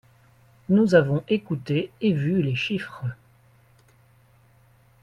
Nous avons écouté et vu les chiffres.